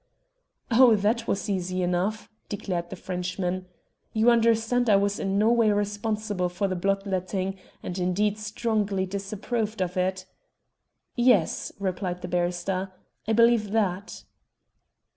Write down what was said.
"Oh, that was easy enough," declared the Frenchman. "You understand I was in no way responsible for the blood letting, and indeed strongly disapproved of it." "Yes," replied the barrister. "I believe that."